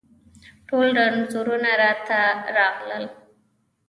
ټول رنځونه راته راغلل